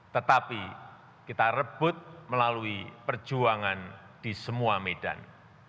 tetapi kita rebut melalui perjuangan di semua medan